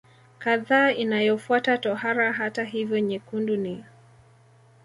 kadhaa inayofuata tohara Hata hivyo nyekundu ni